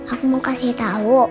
aku mau kasih tau